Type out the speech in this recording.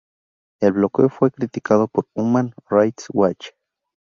El bloqueo fue criticado por Human Rights Watch.